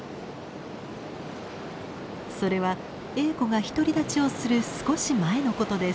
それはエーコが独り立ちをする少し前のことです。